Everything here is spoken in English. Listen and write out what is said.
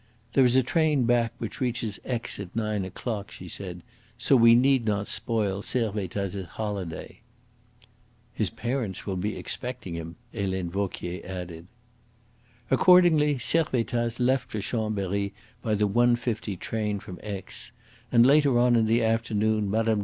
"There is a train back which reaches Aix at nine o'clock," she said, "so we need not spoil Servettaz' holiday." "His parents will be expecting him," Helene Vauquier added. Accordingly Servettaz left for Chambery by the 1.50 train from Aix; and later on in the afternoon Mme.